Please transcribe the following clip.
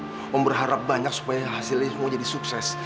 saya berharap banyak supaya hasilnya mau jadi sukses